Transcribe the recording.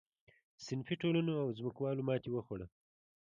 صنفي ټولنو او ځمکوالو ماتې وخوړه.